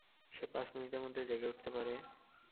সে পাঁচ মিনিটের মধ্যে জেগে উঠতে পারে।